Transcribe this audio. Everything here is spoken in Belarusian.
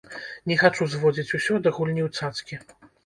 Не хачу зводзіць усё да гульні ў цацкі.